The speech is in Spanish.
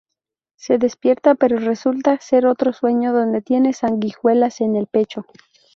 Se despierta, pero resulta ser otro sueño donde tiene sanguijuelas en el pecho.